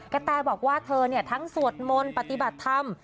แตบอกว่าเธอทั้งสวดมนต์ปฏิบัติธรรม